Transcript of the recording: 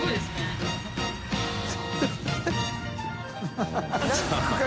ハハハ